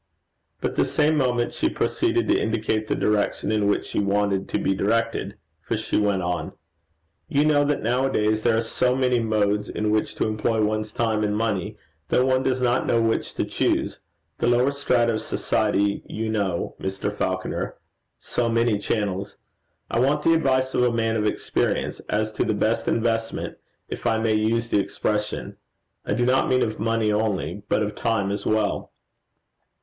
But the same moment she proceeded to indicate the direction in which she wanted to be directed; for she went on: 'You know that now a days there are so many modes in which to employ one's time and money that one does not know which to choose. The lower strata of society, you know, Mr. Falconer so many channels! I want the advice of a man of experience, as to the best investment, if I may use the expression: I do not mean of money only, but of time as well.'